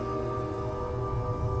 ngoại v naomi